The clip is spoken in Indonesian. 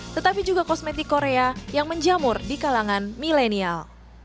tetapi juga kosmetik korea yang menjamur di kalangan milenial